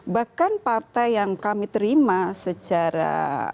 bahkan partai yang kami terima secara